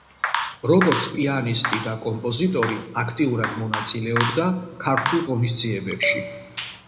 როგორც პიანისტი და კომპოზიტორი, აქტიურად მონაწილეობდა ქართულ ღონისძიებებში.